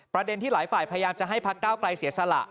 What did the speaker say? ประเด็นที่หลายฝ่ายพยายามจะให้พักเก้าไกลเสียสละ